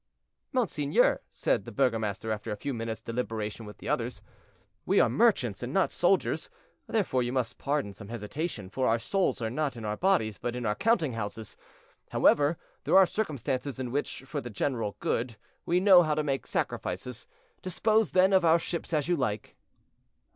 "Monseigneur," said the burgomaster, after a few minutes' deliberation with the others, "we are merchants, and not soldiers; therefore, you must pardon some hesitation, for our souls are not in our bodies, but in our counting houses. However, there are circumstances in which, for the general good, we know how to make sacrifices. Dispose, then, of our ships as you like."